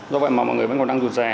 do vậy mà mọi người vẫn còn đang rụt rè